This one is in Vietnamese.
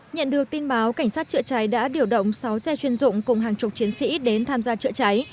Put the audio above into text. nhận được tin báo cảnh sát chữa cháy đã điều động sáu xe chuyên dụng cùng hàng chục chiến sĩ đến tham gia chữa cháy